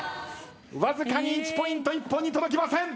わずかに１ポイント一本に届きません。